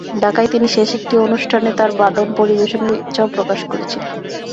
ঢাকায় তিনি শেষ একটি অনুষ্ঠানে তাঁর বাদন পরিবেশনের ইচ্ছাও প্রকাশ করেছিলেন।